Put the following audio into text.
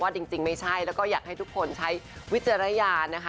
จริงไม่ใช่แล้วก็อยากให้ทุกคนใช้วิจารณญาณนะคะ